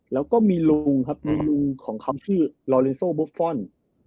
แล้วก็มีลุงครับมีลุงของเขาชื่อลอเลโซบุฟฟอนด์